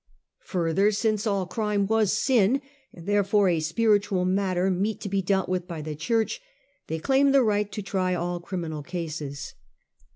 Further, since all crime was sin, and therefore a spiritual matter meet to be dealt with by the Church, they claimed the right to try all criminal cases.